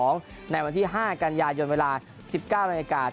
ในวันที่๕กันยายนเวลา๑๙นาฬิกา